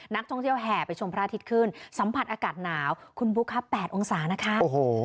นักท่องเที่ยวแห่ไปชมพระอาทิตย์ขึ้นสัมผัสอากาศหนาวคุณบุ๊คครับแปดองศานะคะโอ้โห